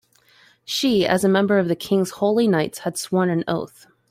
She, as a member of the king's holy knights, had sworn an oath.